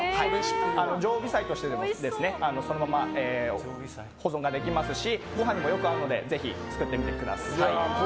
常備菜としてでもそのまま保存ができますしご飯にもよく合うのでぜひ作ってみてください。